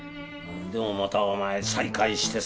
でもまたお前再会してさ。